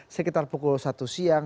sekitar pukul satu siang